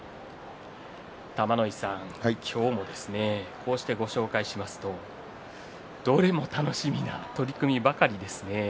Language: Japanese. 玉ノ井さん、今日もこうしてご紹介しますとどれも楽しみな取組ばかりですね。